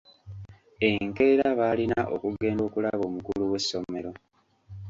Enkeera baalina okugenda okulaba omukulu w'essomero.